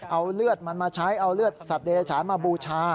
เอาเลือดมันมาใช้เอาเลือดสัตเดชานมาบูชา